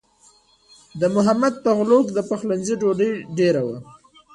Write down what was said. د محمد تغلق د پخلنځي ډوډۍ ډېره وه.